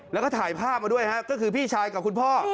แล้วก็ถ่ายภาพมาด้วยฮะก็คือพี่ชายกับคุณพ่อ